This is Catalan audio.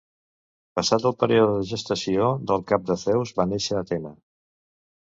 Passat el període de gestació, del cap de Zeus va néixer Atena.